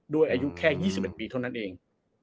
อายุแค่๒๑ปีเท่านั้นเอง